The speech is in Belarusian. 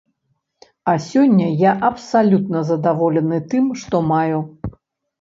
А сёння я абсалютна задаволены тым, што маю.